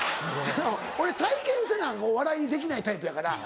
俺体験せな笑いにできないタイプやから。